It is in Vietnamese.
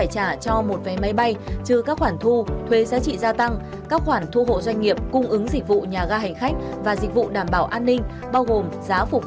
đảm bảo an ninh hành khách hành lý